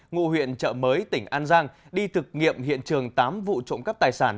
ngụ huyện chợ mới tỉnh an giang đi thực nghiệm hiện trường tám vụ trộm cắp tài sản